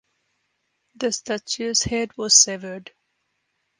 The statue’s head was severed.